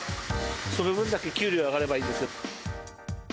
その分だけ給料上がればいいんですけど。